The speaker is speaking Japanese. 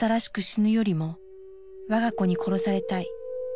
死ぬよりも我が子に殺されたい。